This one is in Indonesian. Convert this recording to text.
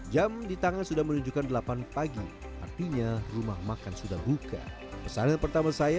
jam di tangan sudah menunjukkan delapan pagi artinya rumah makan sudah buka pesanan pertama saya